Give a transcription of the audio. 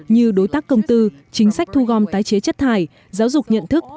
như đối tác công tư chính sách thu gom tái chế chất thải giáo dục nhận thức